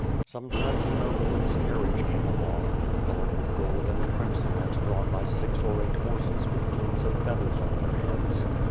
Sometimes a nobleman's carriage came along, colored with gold and crimson and drawn by six or eight horses with plumes of feathers on their heads.